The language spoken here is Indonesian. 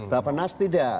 bapak nas tidak